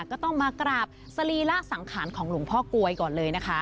ก็ต้องมากราบสรีระสังขารของหลวงพ่อกลวยก่อนเลยนะคะ